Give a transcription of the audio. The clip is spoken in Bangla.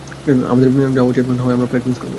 আমাদের যাওয়া উচিত, নাহয় আমরা ফ্লাইট মিস করব।